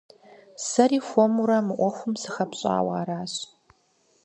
Сэри хуэмурэ мы Ӏуэхум сыхэпщӀауэ аращ.